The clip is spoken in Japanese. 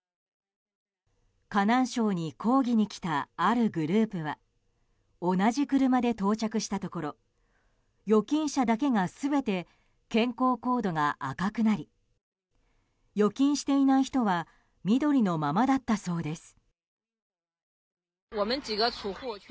河南省に抗議に来たあるグループは同じ車で到着したところ預金者だけが全て健康コードが赤くなり預金していない人は緑のままだったそうです。